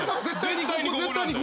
絶対にここなんだよ。